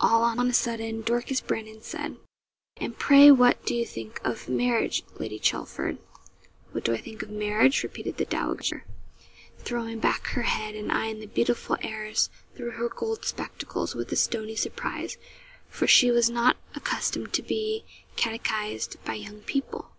All on a sudden Dorcas Brandon said 'And pray what do you think of marriage, Lady Chelford?' 'What do I think of marriage?' repeated the dowager, throwing back her head and eyeing the beautiful heiress through her gold spectacles, with a stony surprise, for she was not accustomed to be catechised by young people.